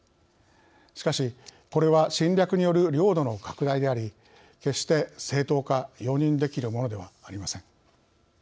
しかし、これは侵略による領土の拡大であり決して正当化容認できるものではありません。